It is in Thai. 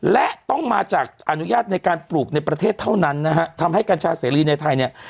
และต้องมาจากอนุญาตในการปลูกในประเทศเท่านั้นนะฮะทำให้กัญชาเสรีในไทยเนี่ย